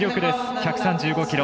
１３５キロ。